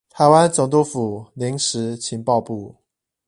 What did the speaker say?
臺灣總督府臨時情報部